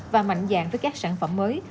và mạnh dạng với các sản phẩm mới